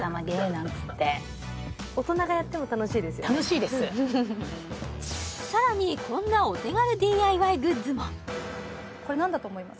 なんつってさらにこんなお手軽ＤＩＹグッズもこれ何だと思います？